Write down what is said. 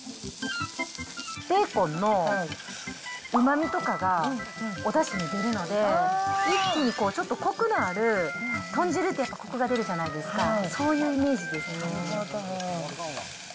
ベーコンのうまみとかが、おだしに出るので、一気に、ちょっとこくのある、豚汁って、やっぱりこくが出るじゃないですか、そういうイメージですね。